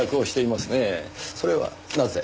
それはなぜ？